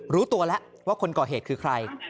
รู้ตัวแล้วว่าคนก่อเหตุคือใคร